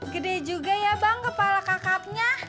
gede juga ya bang kepala kakapnya